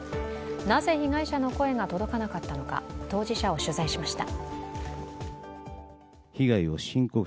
なぜ被害者の声が届かなかったのか、当事者を取材しました。